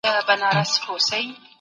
ځیرک